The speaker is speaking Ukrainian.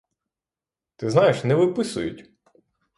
Ти знаєш, не виписують!